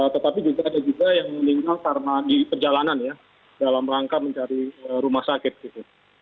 tetapi juga ada juga yang meninggal karena di perjalanan ya dalam rangka mencari rumah sakit gitu